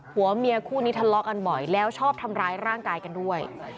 หัวเมียคู่นี้ทะเลาะกันบ่อยแล้วชอบทำร้ายร่างกายกันด้วย